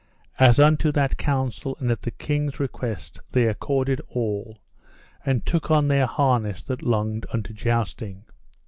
As unto that counsel and at the king's request they accorded all, and took on their harness that longed unto jousting.